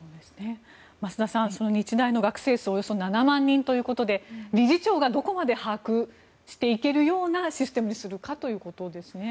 増田さん、日大の学生数およそ７万人ということで理事長がどこまで把握していけるようなシステムにするかということですね。